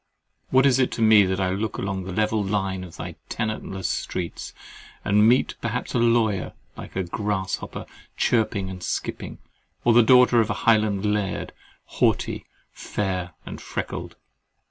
What is it to me that I look along the level line of thy tenantless streets, and meet perhaps a lawyer like a grasshopper chirping and skipping, or the daughter of a Highland laird, haughty, fair, and freckled?